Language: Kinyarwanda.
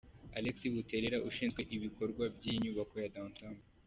Alexis Buterere ushinzwe ibikorwa by’iyi Nyubako ya Down Town.